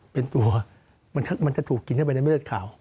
เป็นตัวมันจะถูกกินเข้าไปในเลือดขาว